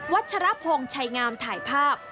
ัชรพงศ์ชัยงามถ่ายภาพ